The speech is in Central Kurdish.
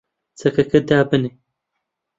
چەکەکە دابنێ!